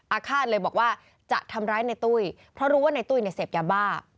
ฆาตเลยบอกว่าจะทำร้ายในตุ้ยเพราะรู้ว่าในตุ้ยเนี่ยเสพยาบ้า